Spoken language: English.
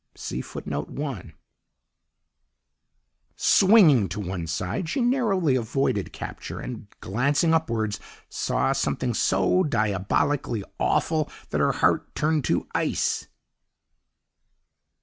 Swinging to one side, she narrowly avoided capture and, glancing upwards, saw something so diabolically awful that her heart turned to ice.